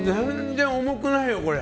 全然重くないよ、これ。